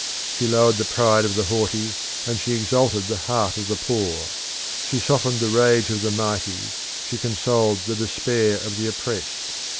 She lowered the pride of the haughty, and she exalted the heart of the poor; she softened the rage of the mighty, she consoled the despair of the oppressed.